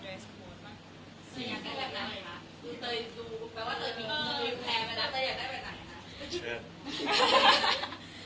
คือเตยดูแปลว่าเตยดูแพงไปไหนครับ